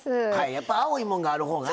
やっぱ青いもんがある方がね。